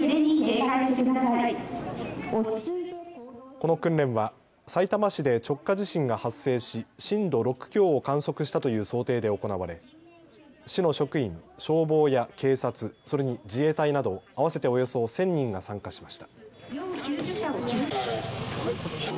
この訓練はさいたま市で直下地震が発生し震度６強を観測したという想定で行われ市の職員、消防や警察、それに自衛隊など合わせておよそ１０００人が参加しました。